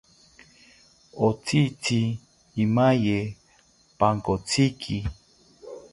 Otzitzi imaye pankotziki